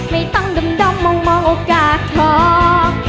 ไม่ต้องด้อมมองโอกาสทอง